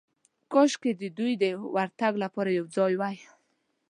کاشکې د دوی د ورتګ لپاره یو ځای وای.